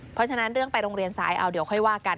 เพราะฉะนั้นเรื่องไปโรงเรียนสายเอาเดี๋ยวค่อยว่ากัน